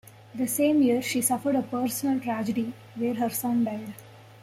That same year, she suffered a personal tragedy when her son died.